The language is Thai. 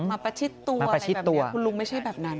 มาประชิดตัวคุณลุงไม่ใช่แบบนั้น